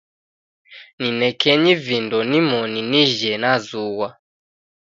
Ninekenyi vindo nimoni nije nazughwa.